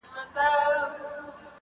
هره ورځ به يې د شپې لور ته تلوار وو؛